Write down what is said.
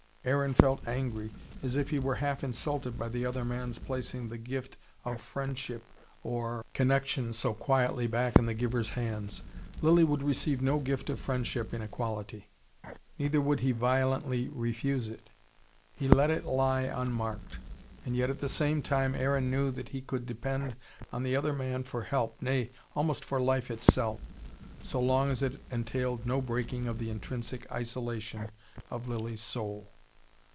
Aaron felt angry, as if he were half insulted by the other man's placing the gift of friendship or connection so quietly back in the giver's hands. Lilly would receive no gift of friendship in equality. Neither would he violently refuse it. He let it lie unmarked. And yet at the same time Aaron knew that he could depend on the other man for help, nay, almost for life itself so long as it entailed no breaking of the intrinsic isolation of Lilly's soul.